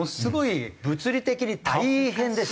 物理的に大変ですよ。